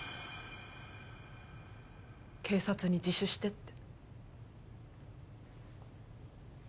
警察に自首してって。